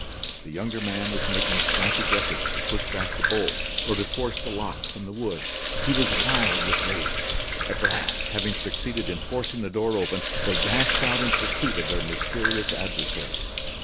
The younger man was making frantic efforts to push back the bolt, or to force the lock from the wood. He was wild with rage. At last, having succeeded in forcing the door open, they dashed out in pursuit of their mysterious adversary.